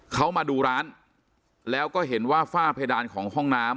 เขามาดูร้านแล้วก็เห็นว่าฝ้าเพดานของห้องน้ำ